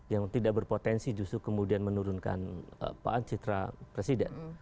yang tidak berpotensi justru kemudian menurunkan pak ancitra presiden